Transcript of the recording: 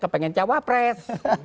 kepengen jawab pres